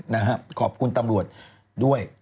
นะฮะขอบคุณตำรวจด้วย